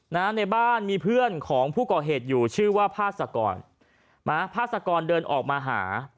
ในบ้านมีเพื่อนของผู้ก่อเหตุอยู่ชื่อว่าพาสกรนะฮะพาสกรเดินออกมาหา